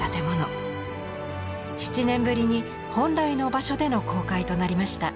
７年ぶりに本来の場所での公開となりました。